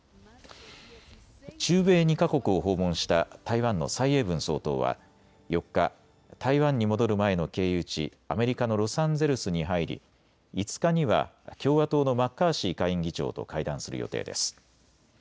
中米２か国を訪問した台湾の蔡英文総統は４日、台湾に戻る前の経由地アメリカのロサンゼルスに入り５日には共和党のマッカーシー下院議長と会談する予定です。